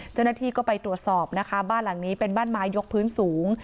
เจ้าหน้าที่ก็ไปตรวจสอบนะคะบ้านหลังนี้เป็นบ้านไม้ยกพื้นสูง